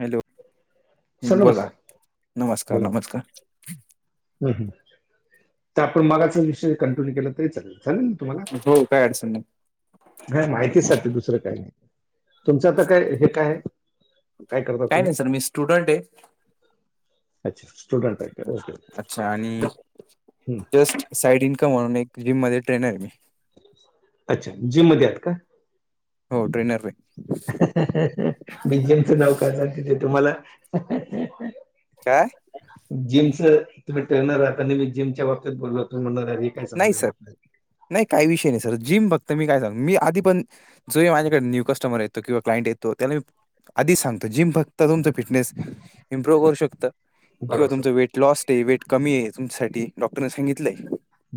Hello! Sir बोला नमस्कार नमस्कार नमस्कार.... ह ह तर आपण मगाचाच विषय कंटिन्यू केला तरी चालेल. चालेल ना तुम्हाला? हो काय अडचण नाही नाही माहितीसाठी दुसरं काही नाही तुमचं आता काय हे काय आहे? काय करता तुम्ही? नाही सर मी स्टुडंट आहे अच्छा स्टुडंट आहे का ओके ओके. अच्छा आणि जस्ट साईड इन्कम म्हणून एक जिम मध्ये ट्रेनर आहे मी. अच्छा जिम मध्ये आहेत का? हो ट्रेनर आहे. मी जिमचं नाव काढल अन तिथे तुम्हाला काय? जिमचं तुम्ही ट्रेनर आहात आणि मी जिमच्या बाबतीत बोललो तुम्ही म्हणणार अरे काय सांगू नाही राहिलं सर आपल्याला नाही काही विषय नाही सर जिम फक्त मी काय सांग मी आधी पण जो माझ्याकडे न्यू कस्टमर येतो किंवा क्लायंट येतो त्याला मी आधीच सांगतो. जिम फक्त तुमचं फिटनेस इम्प्रुव्ह करू शकतं. किंवा बरोबर सर तुमच वेट लॉस्ट आहे, वेट कमी आहे तुमच्यासाठी डॉक्टरने सांगितलंय.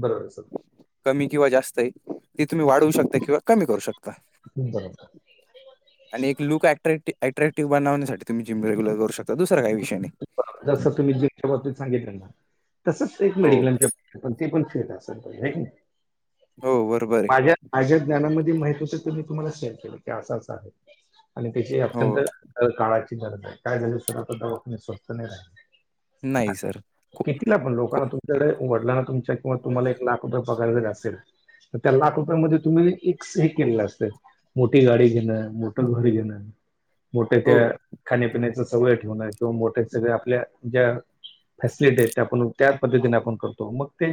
बरोबर सर. कमी किंवा जास्त आहे. ती तुम्ही वाढवू शकता किंवा कमी करू शकता. कमी - जास्त आणि एक लुक अट्रॅ अट्रॅक्टिव बनवण्यासाठी तुम्ही जिम रेग्युलर करू शकता दुसरा काय वि जस तुम्ही जिमच्या बाबतीत सांगितल ना तसच एक हो, मेडिकलच्या बाबतीत पण ते पण फिट असायला पाहिजे हाय की नाही. हो बरोबर आहे. माझ्या माझ्या ज्ञानामध्ये माहिती होतं तर ते मी तुम्हाला शेअर केलं की असं असं आहे. आणि त्याची अत्यंत हो. काळाची गरज आहे. काय झालय सर आता दवाखाने स्वस्त नाही राहिले. नाही सर. खो कितीला पण खो लोकांना तुमच्याकडे वडिलांना तुमच्या किंवा तुम्हाला एक लाख रुपये पगार जरी असेल तर त्या लाख रुपयामध्ये तुम्ही एक सही केलेलं असत. मोठी गाडी घेणं. मोठं घर घेणं. मोठे हो, त्या खाण्या पिण्याच सवय ठेवण किंवा मोठे सगळे आपल्या ज्या फॅसिलिटी आहेत. त्या आपण त्या पद्धतीने आपण करतो मग ते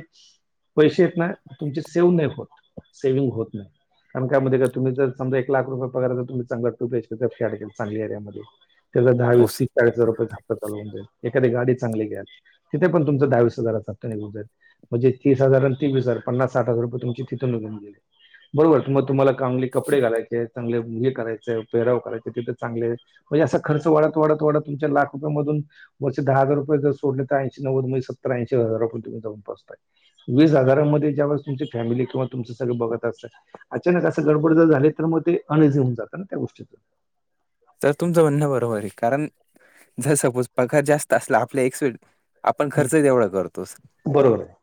पैसे आहेत ना तुमचे सेव्ह नाही होत. सेव्हिंग होत नाही. कारण काय माहिते का तुम्ही जर समजा एक लाख रुपये पगार आहे तर तुम्ही चांगला टू बीएचके चा फ्लॅट घेतला चांगल्या एरियामध्ये त्याला दहा हो वीस सर. तीस चाळीस हजार रूपये हाप्ता चालू होऊन जाईल. एखादी गाडी चांगली घ्याल. तिथे पण तुमचा दहा-वीस हजाराचा हाफ्ता निघुन जाईल. म्हणजे तीस हजार आणि ते वीस हजार पन्नास साठ हजार रुपये तुमचे तिथून निघून गेले. बरोबर मग तुम्हाला चांगले कपडे घालायचे आहेत. चांगले हे करायचं पेहराव करायचं तिथं चांगले म्हणजे असा खर्च वाढत वाढत वाढत तुमच्या लाख मधून मधून वरचे दहा हजार रुपये जर सोडले तर ऐंशी नव्वद म्हणजे सत्तर ऐंशी हजार पर्यंत तुम्ही जाऊन पोहाचताय. वीस हजारामध्ये ज्या वेळेस तुमची फॅमिली किंवा तुमचं सगळे बघत असल अचानक असं गडबड जर झाले तर मग ते अनईझी होऊन जातं ना त्या गोष्टीतून. सर तुमचं म्हणणं बरोबर आहे कारण जर सपोज पगार जास्त असला आपल्या एक्सीड आपण खर्च तेवढा करतोस. बरोबर आहे.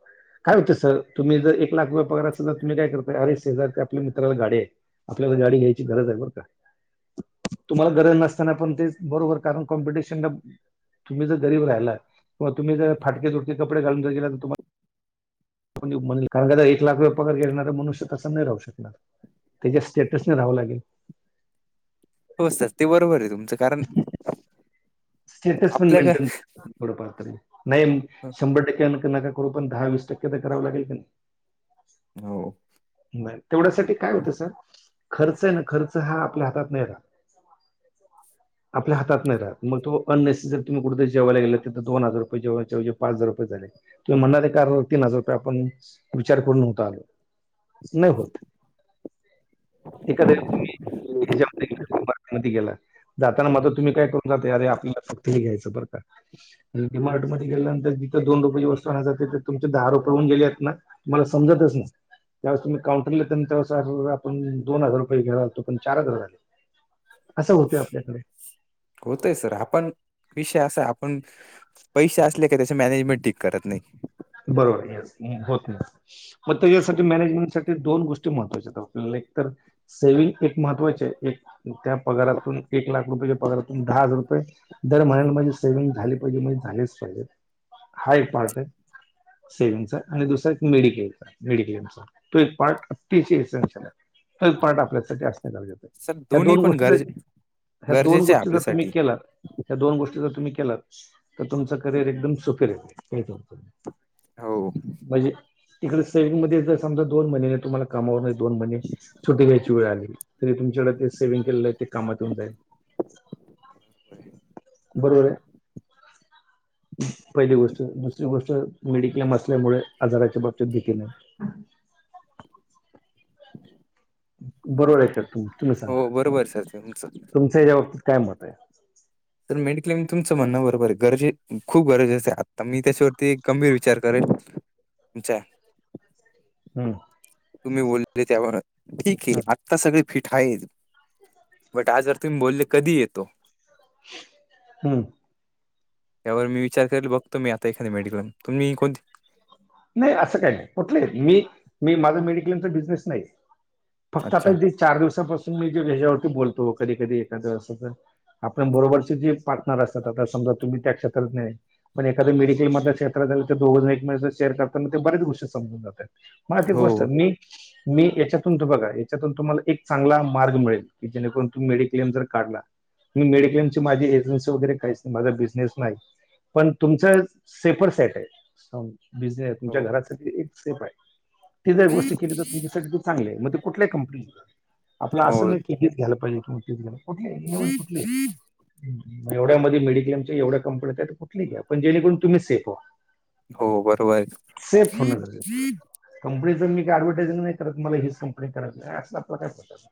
काय होतं सर तुम्ही जर एक लाख रुपये पगार असल तर तुम्ही काय करता अरे ते शेजारच्या आपल्या मित्राला गाडी आहे. आपल्याला गाडी घ्यायची गरज आहे बरं का? तुम्हाला गरज नसताना, पण तेच बरोबर. कारण कॉम्पिटिशन ला, तुम्ही जर गरीब राहिला किंवा तुम्ही जर फाटके तुटके कपडे घालून जर गेला, तर तुम्हा [unintelligible] कारण का आता, एक लाख रुपये पगार घेणारा मनुष्य तसा नाही राहू शकणार. त्याच्या स्टेटस न राहावं लागेल. हो सर. ते बरोबर आहे तुमचं. कारण स्टेटस पण आपल्या काय मेंटेन [unintelligible] नाही शंभर टक्के, पण नका का करू पण दहा वीस टक्के तर करावं लागेल का नाही? हो. नाही. तेवढ्यासाठी काय होत सर, खर्च आहे ना खर्च, हा आपल्या हातात नाही राहत. [inaudible] आपल्या हातात नाही रहात. मग तो अनेसेसरी तुम्ही कुठेतरी जेवायला गेलात तिथं दोन हजार रुपये चं जेवायच्या ऐवजी पाच हजार रुपये झाले. तुम्ही म्हणाले कारण, तीन हजार रुपये आपण विचार करून नव्हता आलो. नाही होत. एखाद्या वेळी [unintelligible] आतमधी गेला. जाताना मग आता तुम्ही काय करून जाता, अरे आपल्याला फक्त हे घ्यायचं बरं का डी मार्ट मध्ये गेल्यानंतर जिथं दोन रुपयाचेही वस्तू होऊन जाते, तिथे तुमचे दहा रुपये होऊन गेले आहेत ना? मला समजतच नाही. त्यावेळेस तुम्ही काउंटरले येताव, त्यावेळेस आठवतं आपण दोन हजार रुपये घेणार होतो पण चार हजार झाले. असं होतंय आपल्याकडे. होतंय सर. आपण, विषय असा आहे आपण पैशे असले का त्याच्या मॅनेजमेंट ठीक करत नाही. बरोबर येस. होत नाही. मग त्याच्यासाठी मॅनेजमेंट दोन गोष्टी महत्वाच्या आहेत आपल्या. एक तर सेविंग एक महत्त्वाची आहे. एक त्या पगारातून, एक लाख रुपयाच्या पगारातून दहा हजार रुपये दर महिन्याला माझी सेव्हिंग झाली पाहिजे म्हणजे झालीचं पाहिजे. हा एक पार्ट आहे. सेव्हिंगचा आणि दुसरा एक मेडिक्लेम चा. मेडिक्लेम चा. तो एक पार्ट अतिशय इसेनशियल आहे. हे पार्ट आपल्यासाठी असणं गरजेचे आहे. सर ह्या दोन्ही दोन पण गरजे गोष्टींचा. हया दोन गरजेचे आहे गोष्टी जर तुम्ही आपल्यासाठी. केला या दोन गोष्टी जर तुम्ही केलात. तर तुमचं करिअर एकदम सुखी राहील. हो. म्हणजे, तिकडं सेविंग मध्ये जर समजा, दोन महिने तुम्हाला कामावर नाही, दोन महिने सुटी घ्यायची वेळ आली, तरी तुमच्याकडे ते सेव्हिंग केलेलं आहे ते कामातून जाईल. बरोबर आहे. [inaudible] पहिली गोष्ट. दुसरी गोष्ट मेडिक्लेम असल्यामुळे, आजाराच्या बाबतीत भीती नाही. बरोबर आहे का? तुम्ही सांगा? हो बरोबर आहे सर तुमचं. तुमचं याच्या बाबतीत काय मत आहे? तर मेडिक्लेम तुमचं म्हणणं बरोबर आहे. गरजे खूप गरजेचं आहे आता. मी त्याच्यावरती गंभीर विचार करेल. अच्छा. हम्म. तुम्ही बोलले ते. [unintelligible] ठीक आहे, आ हम्म आता सगळी फिट आहेत. बट आजार तुम्ही बोलले कधीही येतो. हम्म. यावर मी विचार करेल. बघतो मी आता एखादं मेडिक्लेम. तुम्ही कोणती नाही असं काही नाही, कुठलं ही. मी, मी माझा मेडिक्लेमचा बिझनेस नाही. फक्त अच्छा आता चार दिवसापासून मी जे ह्याच्यावरती बोलतो, कधी-कधी एखादं असं आपण बरोबरचे जे पार्टनर असतात, आता समजा तुम्ही त्या क्षेत्रात नाही पण एखादं मेडिकल मधल्या क्षेत्र झालं तर दोघं जण एकमेकांची शेअर करताना ते बरच गोष्टी समजून जातात. मा एक हो गोष्ट मी मी याच्यातून तर बघा, याच्यातून तुम्हाला एक चांगला मार्ग मिळेलकी जेणेकरून तुम्ही मेडिक्लेम जर काढला मी मेडिक्लेमची माझी एजन्सी वगैरे काहीच नाही. माझ बिझनेस नाही. पण तुमच सेपर सेट आहे. बिजनेस तुमच्या हो घरासाठी एक सेफ आहे. ती जर गोष्ट केली तर त्याच्यासाठी चांगलं आहे. मग ते कुठल्या कंपनी, आपलं हो असं नाही की तिचं घ्यायला पाहिजे क कुठले-कुठले एवढ्यामध्ये मेडिक्लेमच्या एवढ्या कंपन्यात आहेत, तर कुठलीही घ्या, पण जेणेकरून तुम्ही सेफ व्हा. हो, बरोबर आहे. सेफ होण गरजेचं आहे. कंपनीचं मी का ऍडव्हर्टाइमेंग नाही करत. मला हिच कंपनी करायचं, असं आपलं काय पटतं?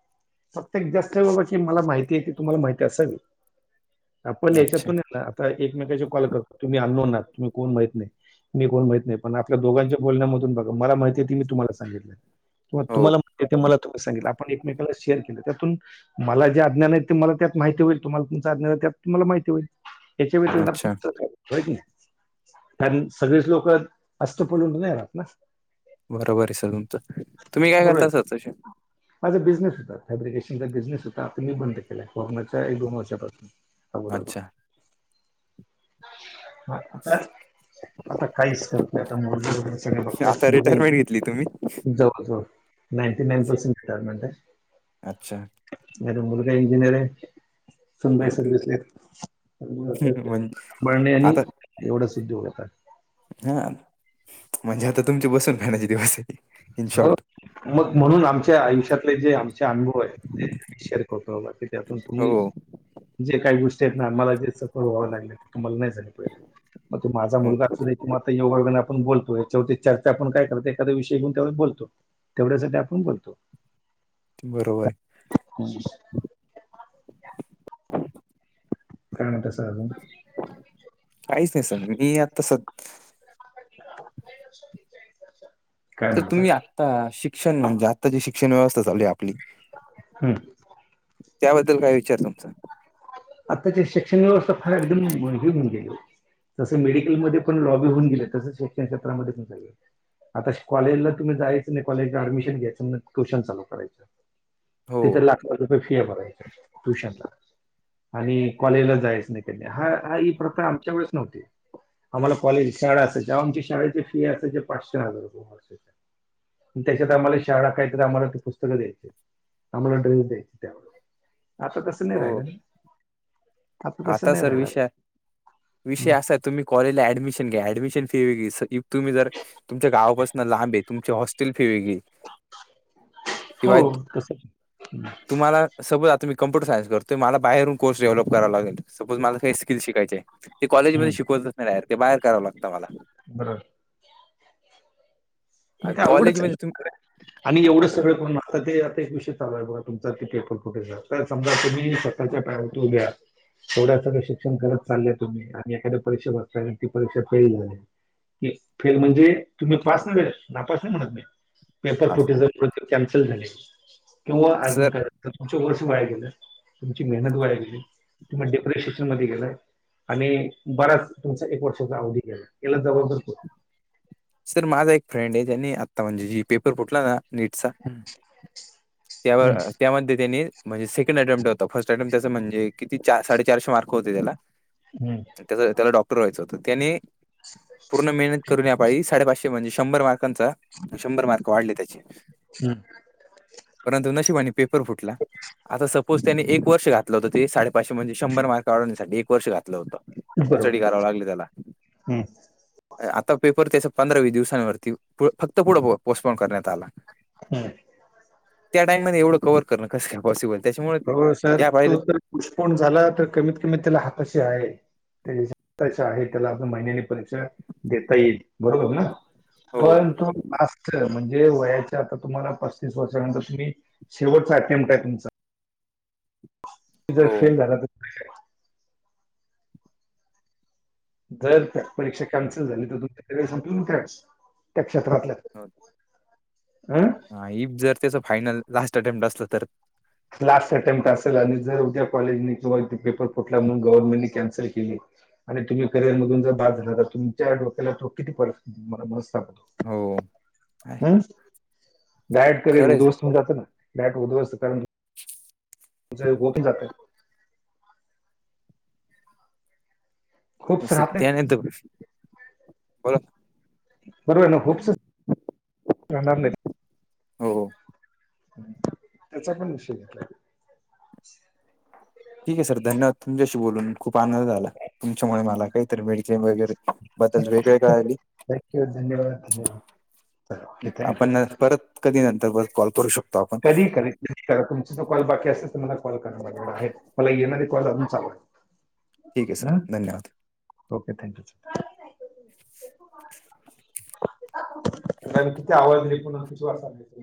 प्रत्येक जास्त बाबा की मला, माहितीे तुम्हाला माहिती असावी. आपण अच्छा याच्यातून एकमेकाशी कॉल कर, तुम्ही अंनोन आहात, तुम्ही कोण माहीत, मी कोण माहित नाही. ते पण आपल्या दोघांच्या बोलण्यामधून, बघा, मला माहिती आहे. ती मी तुम्हाला सांगितलंय. किंवा हो तुम्हाला पण ते मला तुम्ही सांगितलं. आपण एकमेकांला शेअर केलं. त्यातून मला जे अज्ञान आहे, ते मला त्यात माहिती होईल तुम्हाला तुमंचं अज्ञान आहे. त्यात तुम्हाला माहिती होईल. त्याच्या व्यतिरिक्त अच्छा आपण होय की नाही? कारण सगळेच लोक असं तर पडून नाही राहात ना? बरोबर आहे, सर. तुमच तुम्ही काय बरोबर करता, आहे. सर, तसे? माझा बिझनेस होता लं, फॅब्रिकेशनचा बिझनेस होता लं. आपण मी बंद केलाय मागच्या एक-दोन वर्षांपासून. [unintelligible] [unintelligible] अच्छा आता मुलं वगैरे सगळे बघतात. आता रिटायरमेंट घेतली तुम्ही मुलं जवळ-जवळ नाईंटी नाईन पर्सेंट. ट म्ह आहे [unintelligible] अच्छा. माझा मुलगा इंजिनिअर आहे. सुनबाई ओके सर्व्हिसला आहेत, म्हणजे पळणे आणि आता एवढाच उद्योग आता. हा, म्हणजे आता तुमचे बसून खाण्याचे दिवस आहेत. हो, मग म्हणून आमच्या आयुष्यातले जे आमचे अनुभव आहेत शेअर करतो बाबा, की त्यातून तुम्ही हो, जे काही गोष्टी आहेत, ना मला जे व्हावं लागलं तुम्हाला नाही झाले. मग तो माझा हो. मुलगा असू दे, तु आता योगयोगाने आपण बोलतो याच्यावरती चर्चा आपण काय करतो. एखाद विषय घेऊन तेवढ बोलतो, तेवढ्यासाठी आपण बोलतो. बरोबर आहे. हम् [unintelligible] काय आणि आता सांगू? काहीच नाही, सर. मी आता स चाळीस वर्ष [unintelligible] तर तुम्ही आत्ता शिक्षण, म्हणजे आत्ता जी शिक्षणव्यवस्था चालू आहे आपली हम्म. त्याबद्दल काय विचार तुमचा? आताची शिक्षणव्यवस्था फार एकदम हि होऊन गेलीय. जसे मेडिकलमध्ये पण लॉबी होऊ गेले, तसे शिक्षण क्षेत्रामध्ये पण झालीय. आताशी कॉलेजला तुम्ही जायचं नाही कॉलेजला अडमिशन घ्यायचं ना ट्युशन चालू करायचं. हो, ति तर लाख लाख रुपये फी आहे भरायच ट्युशनला. आणि कॉलेजला जायच नाही, हा हा ही प्रथा आमच्या वेळेच नव्हती‌. आम्हाला कॉलेज शाळा असायची तवा शाळेची फी असा ज पाचशे हजार रुपये वर्षा- त्याच्यात आम्हाला शाळा काही तर आम्हाला ते पुस्तकं द्यायचे. आम्हाला ड्रिंक द्यायची त्या वेळी, आता तस नाही हो. राहिलं ना. तसं आता नाही सर राहिलं विषय, विषय हम्म. असाय तुम्ही कॉलेजला ऍडमिशन घ्या, ऍडमिशन फी वेगळी तुम्ही जर तुमच्या गावापासून लांबाय, तुमची हॉस्टेल फी वेगळी. शिवाय हो तसं तुम्हाला. सपोज आता मी कम्प्युटर सायन्स करतोय मला बाहेरून कोर्स डेव्हलप करावा लागल, सपोज काही मला स्किल शिकायच आहे. ते कॉलेजमध्ये हम्म. शिकवतच नाही, ते बाहेर करांव लागंत आम्हाला. बर मग ते अवघडच आहे, कॉलेजमध्ये तुम आणि एवढं हो सगळं करून आता ते आता एक विषय चालू आहे बघा, तुमचा ते पेपर फुटेजला तर समजा तुम्ही सकाळच्या पॅनलतुनन उभे आहात. एवड्या सगळं शिक्षण करत चाललंय तुम्ही आणि एखाद्या परीक्षा बर ती परीक्षा फेल झाली. फेल म्हणजे तुम्ही पास [unintelligible] नापास नाही म्हणत मी, पेपर असं फुटीमूळे कॅन्सल झाले किंवा सर आणखी काहि तर तुमचं वर्ष वाया गेलं, तुमची मेहनत वाया गेली तुम्ही डिप्रेशन मध्ये गेला. आणि बराच तुमचा एक वर्षाचा अवधी गेला याला जबाबदार कोण. सर माझा एक फ्रेंड आहे ज्यांनी आत्ता म्हणजे जे पेपर फुटला ना. नीटचा त्या हम्म, त्यामध्ये त्यांने म्हणजे सेकंड अटेमप्ट होता, फर्स्ट अटेम्ट त्या चा म्हणजे किती चार साडेचारशे मार्क होते त्याला. हम्म त्याला डॉक्टर व्हायचं होतं, त्याने पूर्ण मेहनत करून यावेळी साडे पाचशे म्हणजे शंभर मार्क‌. मार्कांचा, शंभर मार्क वाढले त्याचे. हम्म परंतु नशिबाने पेपर फुटला. आता सपोज त्याने एक वर्ष घातलं होत त्याने साडेपाचशे म्हणजे शंभर मार्क वाढवण्यासाठी एक वर्ष घातला. घातला होता, बरोबर स्टडी आहे करावी लागले त्याला. हम्म, आता पेपर त्याचा पंधरा वीस दिवसांवरती फक्त पुढं पोस्टपोन करण्यात आला. हम्म त्या टाइम मध्ये एवढं कवर करणं कसं काय पॉसिबल आहे, त्यांच्यामुळे पोस्टपोन झाला तर कमीत कमीत त्याला हाताशी आहे. अपेक्षाआहे, त्याला आपण महिन्यानी परीक्षा देता येईल, बरोबर ना. हो पण तो बास [unintelligible] म्हणजे वयाच्या आता तुम्हाला पस्तीस वर्षानंतर तुम्ही शेवटच अटेम्प्ट आहे तुमचा. तुम्ही जर हो. फेल झाला तर. जर परीक्षा कॅन्सल झाली तर तुमच करीयर संपून [unintelligible] त्या क्षेत्रातल्या अं नाहि, जर त्याच फायनल लास्ट अटेम्प्ट असलं तर, लास्ट अटेम्प्ट असेल आणि जर उद्या कॉलेजने किंवा पेपर फुटला म्हणून गव्हर्मेंटनेकॅन्सल केली तर आणि तुम्ही करिअर मधून जर बाद झाला तर तुमच्या डोक्याला तो किती परिस्थितीला हो आहे. हम्म डायरेक्ट करिअर खरंच उद्ध्वस्त होऊन जात ना, डायरेक्ट उध्वस्त कारण जेवलो की जातोय तो होप्स राहत सत्या नाहीत आहे माहितीये काय कोण बरोबर आहे ना खूपसं राहणार नाही. हो हो त्याचा पण विषय आहे ठीक आहे सर धन्यवाद. तुमच्याशी बोलून खूप आनंद झाला, तुमच्यामुळे मला काहीतरी माहीती मिळाली थँक्यू, धन्यवाद. चला ओके थँक्यू आपण परत कधी नंतर परत कॉल करू शकतो आपण. त्यावेळा तुमचा जो कॉल बाकी असेल तर मला काॅल करां चालेल मला येणारे कॉल अजून चालू आहेत ठीक सर. धन्यवाद ओके थँक्यू. चला तुला कीती आवाज दिला म्हणून किती वेळा सांगायचंय